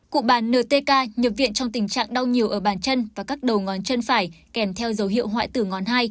cụ bà ntk nhập viện trong tình trạng đau nhiều ở bàn chân và các đầu ngón chân phải kèm theo dấu hiệu hoại tử ngón hai